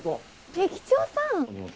駅長さん。